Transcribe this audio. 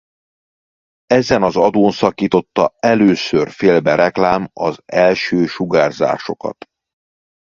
Ezen az adón szakította először félbe reklám az első sugárzásokat.